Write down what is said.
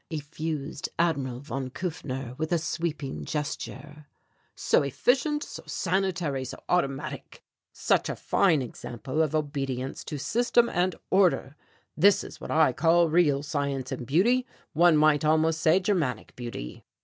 effused Admiral von Kufner, with a sweeping gesture; "so efficient, so sanitary, so automatic, such a fine example of obedience to system and order. This is what I call real science and beauty; one might almost say Germanic beauty."